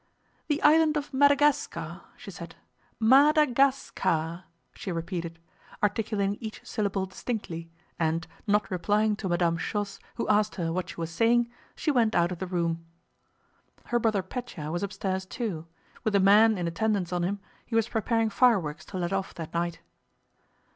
"The island of Madagascar," she said, "Ma da gas car," she repeated, articulating each syllable distinctly, and, not replying to Madame Schoss who asked her what she was saying, she went out of the room. Her brother Pétya was upstairs too; with the man in attendance on him he was preparing fireworks to let off that night.